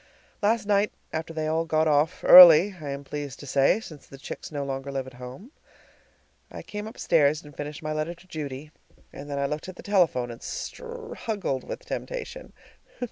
Last night, after they all got off, early, I am pleased to say, since the chicks no longer live at home, I came upstairs and finished my letter to Judy, and then I looked at the telephone and struggled with temptation.